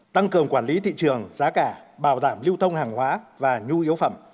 tăng cường quản lý thị trường giá cả bảo đảm lưu thông hàng hóa và nhu yếu phẩm